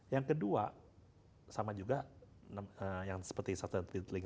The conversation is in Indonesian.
yang kedua sama juga yang seperti sustainability link